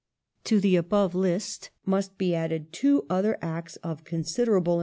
Ballot Act To the above list must be added two other Acts of considerable!